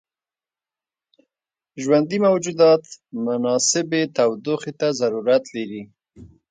ژوندي موجودات مناسبې تودوخې ته ضرورت لري.